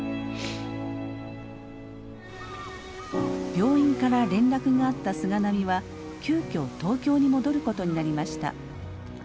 病院から連絡があった菅波は急きょ東京に戻ることになりました。